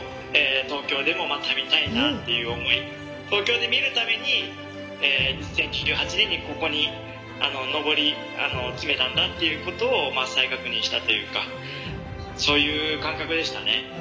東京で見るために２０１８年にここに上り詰めたんだっていうことを再確認したというかそういう感覚でしたね。